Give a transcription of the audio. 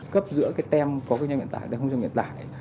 cấp giữa cái tem có kinh doanh vận tải và không kinh doanh vận tải